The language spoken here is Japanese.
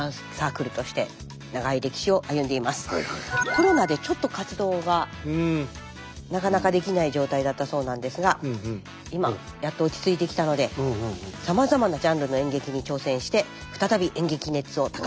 コロナでちょっと活動がなかなかできない状態だったそうなんですが今やっと落ち着いてきたのでさまざまなジャンルの演劇に挑戦して再び演劇熱を高めようとしています。